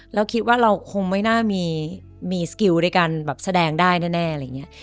เราคิดว่าเราคงไม่น่ามีสกิลในการแบบแสดงได้แน่อะไรอย่างนี้